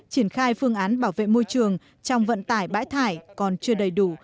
triển khai phương án bảo vệ môi trường trong vận tải bãi thải còn chưa đầy đủ